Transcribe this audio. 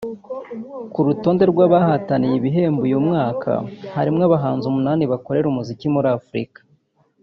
Ku rutonde rw’abahataniye ibi bihembo uyu mwaka harimo abahanzi umunani bakorera umuziki muri Afurika